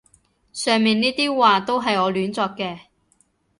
上面呢啲話都係我亂作嘅